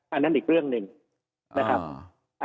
อันนั้นอีกเรื่องหนึ่งนะครับ